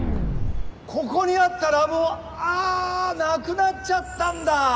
ここにあったラブホああなくなっちゃったんだ！